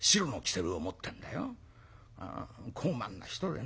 高慢な人でね